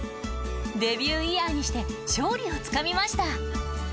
デビューイヤーにして勝利をつかみました。